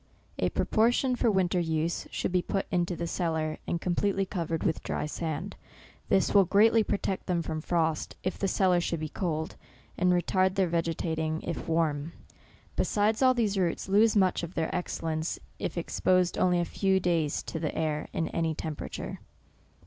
A propor tion for winter use, should be put into the cellar, and completely covered with dry sand. This will greatly protect them from Q2 186 OCTOBER. frost, if the cellar should he cold, and retard their vegetating, if warm. Besides, all these roots lose much of their excellence, if expo sed only a few days to the air, in any tempe rature.